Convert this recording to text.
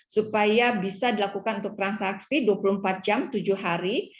supaya bisa dilakukan untuk transaksi dua puluh empat jam tujuh hari